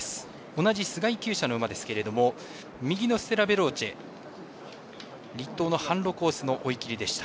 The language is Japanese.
同じ須貝きゅう舎の馬ですけども右のステラヴェローチェ栗東の坂路コースの追い切りでした。